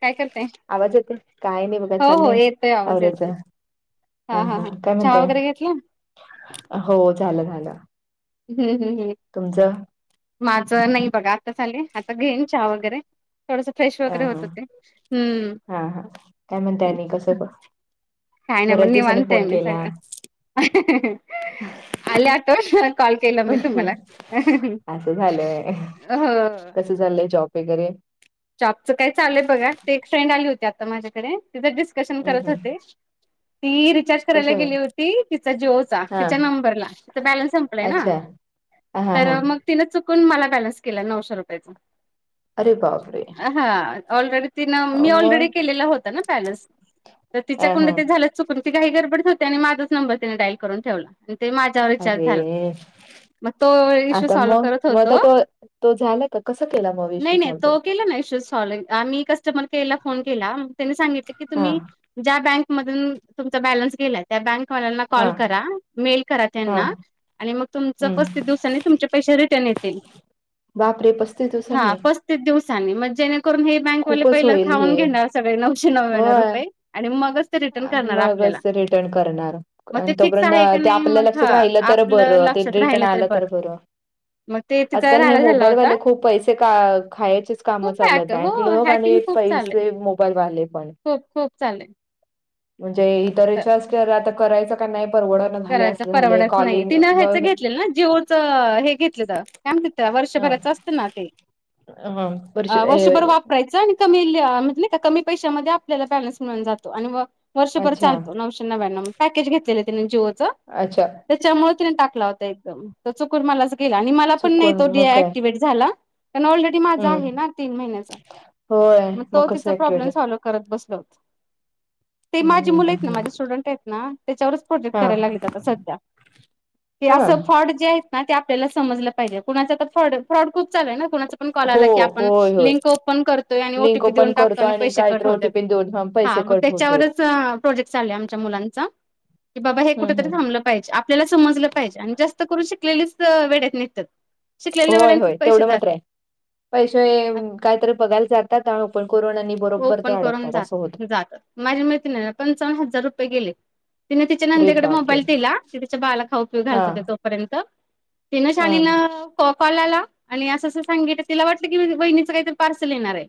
काय करताय? आवाज येतोय, काय नाही मग काय हो हो चाललंय येतोय आवाज येतोय. आवरायचं. हा अ हा ह हा काय चहा म्हणतेय, वगैरे घेतला? हो, झालं झालं. हम्म हम् हम्. तुमचं? माझं नाही बघा आताच आले, आता घेईन चहा वगैरे. थोडसं फ्रेश अ वगैरे हा होतं ते हम्म. हा हा काय म्हणताय आणि कसं काय नाही पण बऱ्याच दिवसानी निवांतये फोन मी केला सगळं, आली आठवण. कॉल केला मी तुम्हाला, हो. झाले जॉब? वगैरे. जाॅबच काय चालूय बघा, ती एक फ्रेंड आली होती, आता माझ्याकडे तिथं डिस्कशन हम् करत हम् होते. Free recharge. करायला कशावर गेली होती, तिचा जिओचा हा तिच्या नंबरला तिचं बॅलन्स संपलय ना. अहा. तर मग तिनं चुकून मला बॅलन्स केला, नऊशे रुपयचा. अरे बापरे हा, ऑलरेडी तिनं मी ऑलरेडी मग केलेला होता ना बॅलन्स. तर तिच्या ह हा कुडनं झालेत चुकून, ती घाई गरबडीत होती आणि माझाच नंबर तिनं डाईल करून ठेवला आणि ते मा अरे. इश्यू आता सॉल्व्ह मग करत मग होतो आता तो तो झाला का, कसा केला मग नाही विषय नाही साॅल्व तो. केला ना विषय [unintelligible] आम्ही कस्टमर केअरला फोन केला, मग त्यांनी सांगितलं की हा तुम्ही ज्या बॅंकमधून तुमचा बॅलन्स गेलाय त्या बँकवाल्यांनला हा कॉल करा, मेल करा हा त्यांना. आणि मग तुमचं हम् पस्तीस दिवसाांनी तुमचे पैसे रिटर्न येतील. बापरे, पस्तीस दिवसांनी? तेच दिवसाांनी मग जेणेकरून हे बँकवाले खूपच पहिलं होईल खाऊन हे घेणार सगळे नऊशे नव्याणव रुपये. आणि मगच ते रिटर्न आ करणार मगच आपल्याला ते रिटर्न करणार मग ते आणि फिक्स तोपर्यंत आहे का ते नाही आपल्या मग ह लक्षात राहिलं तर आपलं बरं, ते लक्षात रिटन राहिलं तरी आलं तर बरं, मग ते तिचा आजकाल हे राडा झाला मोबाईल होता वाले खूप पैसे ते का खायचेच कामं खूप चालु आहेत, हॅक हो बँक लोक आणि हॅकिंग खूप चालू आहे पैसे मोबाईल वाले पण. खूप खूप चाललंय. म्हणजे इथं रिचाज केला, आता करायचा का नाही परवडत करायचं परवडत नाही तिनं ह्याच घेतलेलं ना जीओच हे घेतलं तर काय म्हणतेत वर्षभराच असतं ना ते, ह वर्ष अ... वर्षभर ए वापरायचं आणि कमी ल्य म्हणजे नाही का कमी पैशामध्ये आपल्याला बॅलन्स मिळून जातो आणि मग वर्षभर अच्छा चालतो, नऊशे नव्यानम पॅकेज घेतलेलं त्यांनी जीओ अच्छा. त्याच्यामुळं तिनं टाकला होता एकदम, तो चुकून मलाच गेला आणि मला पण नाही चुकून तो मग काय डीऍक्टिव्हट झाला, पण ऑलरेडी माझा हम् आहे ना तीन महिन्याचा, होय मग तो कसं तिचा ऍक्टिवेट प्रॉब्लेम साॅल्व करत बसलोत, ते ह माझी मुलं ह आहेत ना, माझी ह स्टुडंट आहेत ना. हा कराय लागलेत आता सध्या, हे हा असं फ्रॉड जे आहेत. ना ते आपल्याला समजलं पाहिजे, कुणाचं तर फ्रॉड, अन फ्रॉड खूप चालु आहे ना, कुणाचं पण कॉल आला की आपण होय होय होय लिंक ओपन करतोय आणि लिंक ओटीपी ओपन देऊन टाकतो करतो आणि पैसे कट होत्यात. [unintelligible] हा, मग होतेत. त्याच्यावरच प्रोजेक्ट चालुये आमच्या मुलांचा. की बाबा हे हम्म कुठेतरी हम्म. थांबलं पाहिजे, आपल्याला समजलं पाहिजे आणि जास्त करून शिकलेलीच क वेड्यात निघत्यात. होय होय तेवढं मात्र ए, पैसे कायतरी बघायला जात ओपन करून जात, असं होत. जात, माझी मैत्रीण हाय ना पंचावन्न हजार रुपये गेले. तिने तिच्या अरे नंदेकडे बापरे मोबाईल दिला, ती तिच्या बाळाला खाऊ पिऊ हा घालते तो पर्यंत, तिन हा शहानिन कॉल आला आणि अस अस सांगितलं, तिला वाटल की वाहिनीच काही तरी पार्सल येणार ए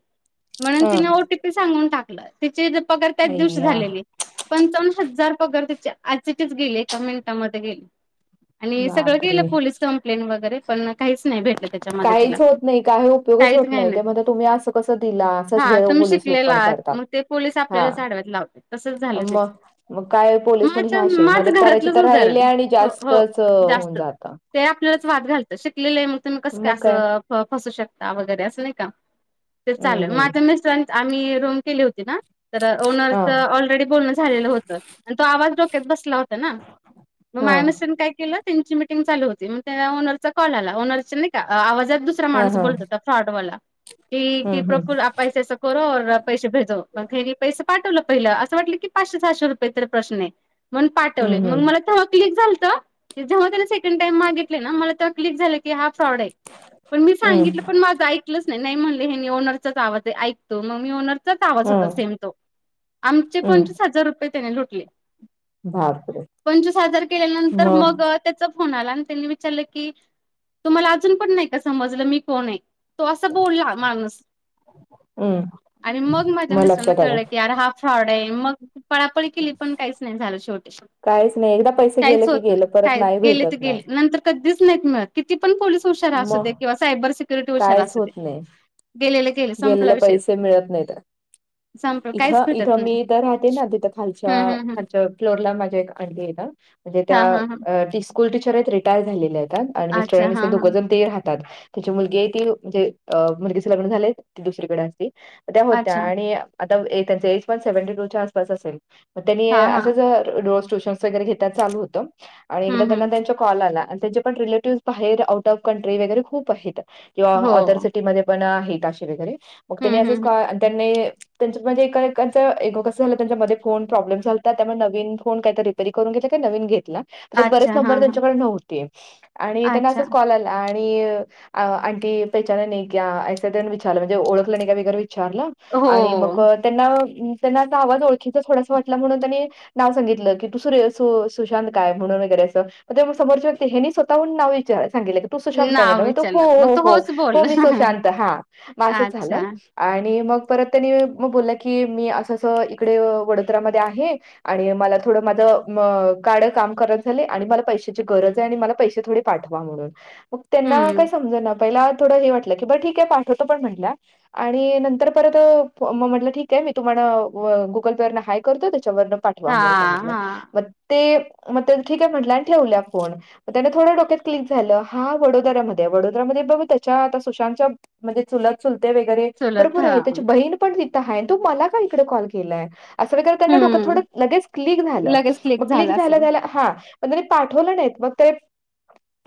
मग हा तिन ओ टी पी सांगून टाकलं, तिची पगार त्याच दिवशी अय्या झालेली, पंचावन्न हजार पगार तिच्या अय्याझ इट इज गेले एका मिनिटामध्ये गेले. आणि सगळं केलं बापरे. पोलीस कंप्लेन वगैरे पण काहीच नाही भेट काहीच होत नाही, काही उपयोगच होत नाही, ते म्हणतात तुम्ही असं कस दिला हा हे तुम्ही पोलीस लोक शिकलेला पण आहात करतात, मग ते पोलीस हा आपल्यालाच आडव्यात लावतात तसंच झालं तिचं. मग मग काय पोलीस पण माझ हे असे, माझ मदत करायची घरातलंच तर राहिली उदाहरण आणि हो हो जास्तच होऊन जास्त जातं. ते आपल्यालाच वाद घालतात, शिकलेले ए मग तुम्ही कसं काय असं फसू शकता वगैरे असं नाही का, ते हम्म चालेल हम्म मग मिस्टरच, आम्ही रूम केली होती ना तर हा ओनरच ऑलरेडी बोलणं झालेलं होतं आणि तो आवाज डोक्यात बसला होता ना. मग हा माय मिस्टरानी काय केलं त्यांची मीटिंग चालू होती, मग त्या ओनरचा कॉल आला, ऑनरची नाही का आवाजात दुसरा हा माणूस हा बोलत होता, फ्रॉड वाला की हम्म हम्म. प्रफुल्ल आप ऐसे ऐसे करो और पैसे भेजो, मग हेनी पैसे पाठवलं पहिलं, असं वाटलं की पाचशे सहाशे रु पये तर प्रश्न ए मण पाठवलंय, हम्म मग हम्म मला तेव्हा क्लिक झालत, जेव्हा त्यानं सेकंड टाइम मागितले ना मला तेव्हा क्लिक झालं की हा फ्रॉड ए, पण मी हम्म सांगितलं पण माझं ऐलंच नाही, नाही म्हणले हे नी ओनरचच आवाज आईकतो, मग मी ऑनर चाच आवाज होता हम्म सेम तो, आमचे हम्म पंचवीस हजार रुपये त्याने लुटले. बापरे पंचवीस हजार केल्या नंतर मग त्याचा फोन आला आणि त्यांनी विचारलं की, तुम्हाला अजून पण नाही का समजलं मी कोण हाय? तो असा बोलला माणूस हम आणि मग माझ्या मिस्टरानं कळल की अरे हा फ्रॉड ए मग पळापळी केली पण काहीच नाही झाले शेवटी. काहीच नाही एकदा पैसे गेले काहीच की होत नाही, गेलं परत काय नाही गेले ते भेटत नाही गेले नंतर कधीच नाहीत मिळत, किती पण पोलिस हुशार असू मग दे किंवा सायबर सिक्युरिटी हुशार कायच असू दे होत नाही गेलेले गेले गेलेले पैसे मिळत नाहीत. संप इथं, इथं, मी इथं राहते ना तिथं खालच्या हम्म हम्म हम्म खालच्या फ्लोरला माझ्या एक आंटी ए ना म्हणजे हा हा हा त्या ती स्कूल टीचर ए, रिटायर झालेल्या ए त्यात आणि मिस्टर अच्छा आणि मिस हा हा दोघं जण ते राहतात. तीची मुलगी ए ती, म्हणजे मुलगीचे लग्न झालय, ती दुसरीकडे असती, त्या होत्या अच्छा आणि आता त्यांच एज पण सेव्हन्टी टूच्या आसपास असेल मग त्यांनी हा हा अस रोज ट्युशन वैगेरे घेतात चालू होत आणि एकदा हम्म त्यांना हम्म त्यांच्या कॉल आला आणि त्यांचे पण रिलेटिव्ह बाहेर आऊट ऑफ कंट्री वैगरे खूप आहेत किंवा हो ऑदर सिटी मध्ये पण आहेत असे वगैरे मग हम्म त्यांनी हम्म असच हम्म कॉल त्यांनी त्यांच म्हणजे एकाचं ए कसं झालं त्यांच्या मधे फोन प्रॉब्लेम झालता त्यामुळे नवीन फोन काहीतरी रिपेअर करून घेतला काय नवीन घेतला तर बरेच अच्छा हा नंबर हा त्यांच्याकडे नव्हते आणि त्यांना अच्छा असाच कॉल आल आंटी पहेचाना नही क्या अस त्यांनी विचारलं म्हणजे ओळखलं नाही का वैगेरे. विचारलं हो आणि मग त्यांना त्यांना असा आवाज ओळखीचा थोडासा वाटला म्हणून त्यांनी नाव सांगितलं की तू सूर, सुशांत काय म्हणून वगैरे असं. मग ते समोरची व्यक्ती हेनी स्वतहून नाव विचार सांगितले, तू सुशांत काय नाव म्हने त विचारलं मग हो तो हो होच हो बोलला मी सुशांत हा म असं झालं. अच्छा आणि मग परत त्यांनी मग बोललं की मी असं असं इकडे वडोदरा्मध्ये आहे. आणि मला थोडं माझ कार्ड काम खराब झाले आणि मला पैशाची गरज आहे आणि मला पैसे थोडे, पाठवा म्हणून मग त्यांना हम्म काय समजना पहिला थोडं हे वाटलं की बर ठीक आहे पाठवते पण म्हटल्या, आणि नंतर परत मग म्हटलं ठीक आहे मी तुम्हाला गुगल पे वरन हाय करतो त्याच्यावर पाठवा. हा म्हणून सांगितलं हा मग ते मग ते ठीक आहे म्हटलं आणि ठेवला फोन. त्याने थोडं डोक्यात क्लिक झालं हा वडोदरामध्ये वडोदरा्यामध्ये बा त्याच्या आता सुशांतच्या, म्हणजे चुलत चुलते वगैरे चुलत भरपूर हा आहे त्याची बहीण पण तिथं आहे, तर मला का इकडे कॉल केलाय, असं वैगरे त्यांना डोक हम्म थोडं लगेच क्लिक झाल, लगेच मग क्लिक झाला झाल्या असेल झाल्या हां. पण त्यांनी पाठवलं नाहीत, मग ते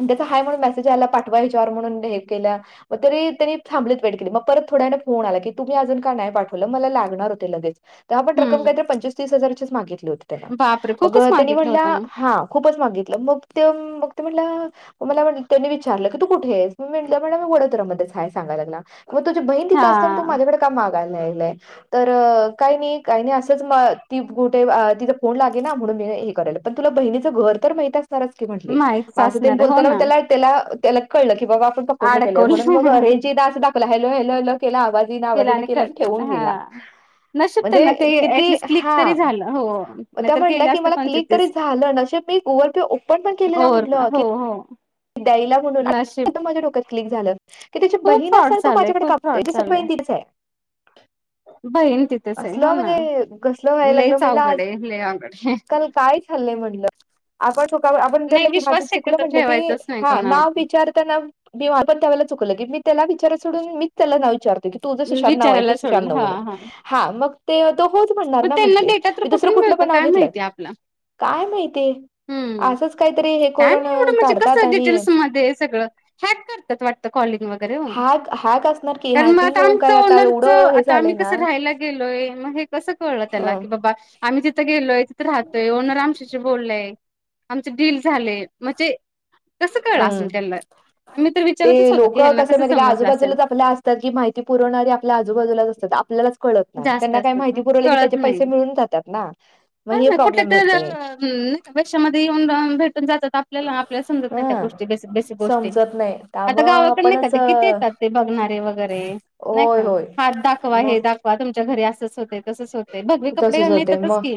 त्याच हाय म्हणून मेसेज आला पाठवा ह्याच्यावर म्हणून हे केल्या व तरी त्यांनी थांबलीत वेट केली मग परत थोड्या फोन आला की तुम्ही अज का नाही पाठवलं मला लागणार होते लगेच, तेव्हापण रक्कम काहीतरी हम्म पंचवीस तीस हजाराचीच मागितली होती त्यान, बापरे मग खूपच त्यांनी मागितलं म्हटल्या होतं मग हा. खूपच मागितलं मग ते मग ते म्हटलं. मग मला वाटलं त्यांनी विचारलं क तू कुठेस मी म्हटलं मी मॅडम वडोदरामध्येच हाय. सांगाय लागला मग तुझी बहीण हा तथं असताना तू माझ्याकडे का मागायलाय. तर काही नाही काही नाही असंच ती कुठे तिचा फोन लागे ना म्हणून मी हे करायलो. पण तुला बहिणीचं घर तर माहित असणारच की म्हटले. माहितच असं तेन असणार आहे हो बोलताना मग ना त्याला त्याला त्याला कळलं की बाबा आपण पकडलो गेलोय, म्हणून मग अडकवलं रेंज असं दाखवला हॅलो हॅलो हॅलो केला आवाज येईना आवाज येईना केला आणि ठेवून दिला. नशीब म्हणजे त्यांना ते किती ऍटलिस्ट क्लिक तरी हा झालं हो त्या नाहीतर म्हणल्या गेलं कि असतं मला क्लिक तरी पंचवीस झालं नशीब मी गुगल पे ओपन पण केलेला ओवर म्हटलं हो की, हो द्यायला, म्हणून नशीब आणि माझ्या डोक्यात क्लिक झालं. की त्याची खूप बहीण फ्रॉड असल तो चाललंय माझ्याकडे का खूप मागतोय, फ्रॉड त्याची बहीण चाललंय तिथेच आहे. बहीण तिथेच आहे हो असलं ना म्हणजे कसल व्हायला लागलं लईच म्हटलं आज, अवघड आहे लई अवघड आहे काल काय झालंय म्हटलं आपण चुका आपण नाही म्हलं की माझं विश्वास चुकलं शक्यतो म्हटलं की, ठेवायचाच नाही हा नाव कोणावरती विचारताना मी पण त्याला चुकलं की मी त्याला विचाराय सोडून मीच त्याला नाव विचारत होती. तुझं सुशांत नाव आहे तू विचारायला सुशांत सोडून नाव हा म्हणून हा मग ते तो होच म्हणणार पण ना त्यांना म्हटले डेटा तर मी दुसरं कुठून कुठलं मिळतो पण नाव काय घेतलं. माहिती आपला काय माहिती हम्म असंच काहीतरी हे करून काढतात. आणि डिटेल्स मध्ये सगळ हॅक करतात वाटत कॉलिंग वगैरे ओ, हॅक हॅक असं, कारण मग आता आमच ओनरच आता झालंय आम्ही ना कसं राहायला गेलोय मग हे. कस कळलं त्याला अ की बाबा आम्ही तिथं गेलोय तिथं राहतोय, ओनर आमच्याशी, बोलले, आमच डील झालय, म्हणजे कसं कळलं अम असेल त्यांना, आम्ही तर ते विचारा तच होतो की ह्यांना कसं समजलं असेल? तर की माहिती पुरवणारी आजूबाजूलाच आपल्यालाच, कळत नाही जास्त त्यांना काय असत तर माहिती पुरवली की कळत त्याचे नाही पैसे मिळून जातात ना मग हे प्रॉब्लेम होते. हम्म, वर्षा मधे येऊन राहून भेटून जातात आपल्याला, आपल्याला समजत ह नाही त्या गोष्टी बेसिक बेसिक गोष्टी समजत नाही आता त्यामुळं गावाकड नाही का आपणच ते किती येतात. ते बघणारे वगैरे नाही होय का होय हात दाखवा हे मग दाखवा तुमच्या घरी अस अस होतय तसंच होते, भगवे कपडे तसच घालून होते येतातच मग की.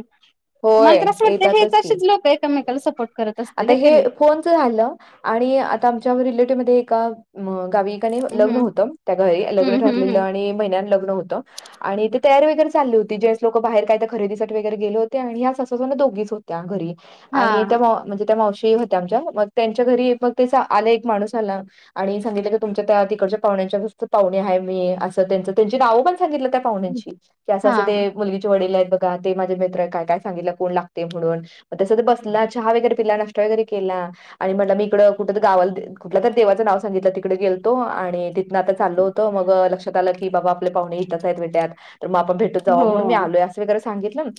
मला होय तर असं वाटतं, येतातच हाय की असेच लोकं ऐकमेकांला सपोर्ट करत असतील. आता हे की नाही फोनच झालं आणि आता आमच्या रिलेटिव्ह मध्ये एका मग गावीकनी हम्म लग्न होतं त्या घरी, लग्न हम्म हम्म ठरलेलं हम्म आणि महिन्यानं लग्न होतं. आणि इथे तयारी वगैरे चालली होती. ती ज्यावेळेस, लोकं बाहेर काय तर खरेदीसाठी वगैरे गेले होते आणि ह्या सासवा सुना दोघीच होत्या घरी. आणि त्या हा म्हणजे त्या मावशी होत्या आमच्या. मग त्यांच्या घरी मग तसा आला एक माणूस आला आणि सांगितलं की, तुमच्या त्या तिकडच्या पाहुण्यांच्या घरचे पाहुणे आहे आम्ही. असं त्यांच, त्यांची नावं पण सांगितलं त्या पाहूण्यांची, की असं असं हा ते मुलगीचे वडील आहेत बघा, ते माझ्या मित्र काय काय सांगितलं कोण लागते म्हणून. मग तसंच बसला. चहा वगैरे पिला, नाष्टा वगैरे केला आणि म्हणला मी इकड कुठं तर गावाला कुठल्या तरी देवाचं नाव सांगितलं तिकडे गेलतो आणि तिथनं आता चाललो होतो मग लक्षात आलं की बाबा आपले पाहुणे इथंच आहे म्हणत्यात तर मग आपण भेट हो जावं म्हणून मी आलोय असं वगैरे सांगितलं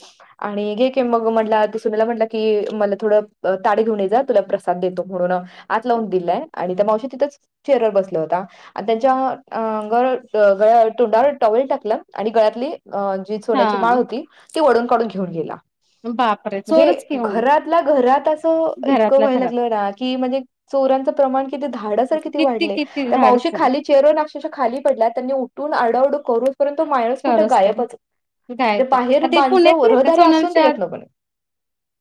आणि घे की मग म्हणला तु सुमीला म्हणला कि मला थोडं ताट घेऊन ये जा, तुला प्रसाद देतो म्हणून आत लावून दिलाय. आणि त्या मावशी तिथंच चेअरवर बसला होता. आणि त्यांच्या, गळ्या, तोंडावर टॉवेल टाकलं आणि गळ्यातली अं.. जी सोन्याची माळ हा होती, ती ओढून काढून घेऊन गेला. बापरे चोरच म्हणजे घेऊन घरातला घरात असं इतकं घरातल्या व्हाय घरात लागलं ना की, म्हणजे चोरांचं प्रमाण किती धाडस तर किती वाढलंय. किती त्या मावशी धाडस आहे खाली चेअरवरनं अक्षरशः खाली पडल्या, त्यांनी उठून आरडाओरडा करून पर्यंत तो माणूस कुठं चोरच गायब तर काय म्हणजे तर बाहेर आता हे माणसं पुण्यात व नाही का रहदारी असून सोनालच्या त्याच्यातनं पण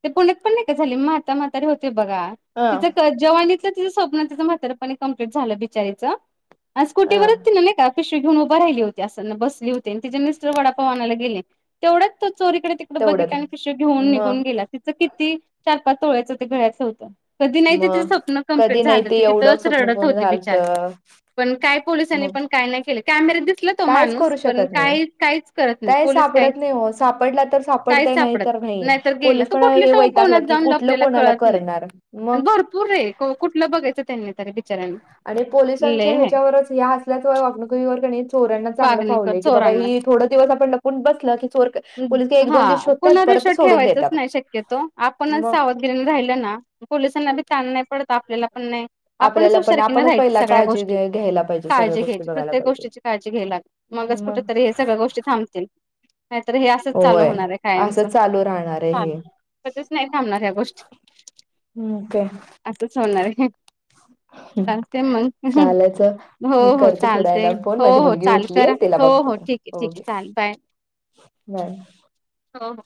ते पुण्यात पण नाही का झाले, म्हाता म्हातारी होते बघा. अं तिथं तर जवानीच तर तिचं स्वप्न म्हातारपणी कंप्लीट झालं बिचारीचं आणि अं स्कुटीवरच तिनं नाही का पिशवी घेऊन उभं राहिली होती असं बसली होती, आणि तिचे मिस्टर वडापाव आणायला गेले. तेवढ्यात तो चोर इकडे ति कडे बघितलं, तेवढ्यात आणि पिशवी घेऊन म निघून गेला. तिचं किती चार पाच तोळ्याचं ते गळ्यातलं होतं. कधी नाही म ते तिचं स्वप्न कंप्लीट कधी नाही झालतं, ते ती एवढं तिथंच स्वप्न रडत पूर्ण होती झालत बिचारी. पण काय पोलिसांनी मग पण काय नाही केलं. कॅमेर्यात दिसला तो कायच माणूस करू पण शकत नाही. काहीच काही करत नाही, काय पोलीस काहीच सापडत करत नाही. हो सापडला तर काहीच सापडतय सापडत तर नाही. नाहीच. तर गेला पोलीस तो पण हे कुठल्या वैतागल्यात कोणात की जावून कुठलं लपलेला ते कोणाला कळत नाही. करणार मग भरपूर आहे. कुठलं बघायचं त्यांनी तरी बिचार्यांनी. आणि पोलिसांच्या ह्याच्यावरच या असल्याचं वागणुकीवर कणी चोरांना चांगलं वागणेकर फावलंय. की बाबा चोरांनाच हि थोडं दिवस आपण लपून बसल की, चोर पोलीस एक हा दोन दिवस शोधतात. कुणावर परत विश्वास सोडून ठेवायचाच देतात. नाही शक्यतो आपणच मग सावधगिरीने राहिल ना, पोलिसांना बी ताण नाही पडत आपल्याला पण नाही. आपणच आपल्याला पण हुशारखीने आपणच राहायची, पहिला सगळ्या काळजी गोष्टी घ- घ्यायला पाहिजे सगळ्या काळजी गोष्टी घ्यायची. बघायला प्रत्येक पाहिजे. गोष्टीची काळजी घ्यायला मगच कुठं मग तरी हे सगळ्या गोष्टी थांबतील. नाहीतर हे असंच चालू होय होणार आहे असं कायमचं. चालू राहणार आहे हे. चालू. कधीच नाही थांबणार ह्या गोष्टी. हम्म्. काय? असंच होणार आहे. हं, चालते मंग. चालायचं हो.. मी हो. करते थोड्या चालतंय वेळानं फोन हो माझी हो मुलगी चाल उठली करा. तिला हो.. बघते. हो. ठीक आहे, ठीक आहे. ओके चालेल बाय. बाय. हो.. हो.